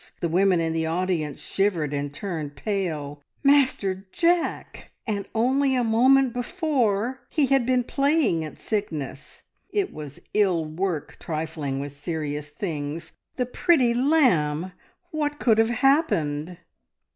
The women in the audience shivered and turned pale. Master Jack! And only a moment before he had been playing at sickness. It was ill work trifling with serious things. The pretty lamb! What could have happened?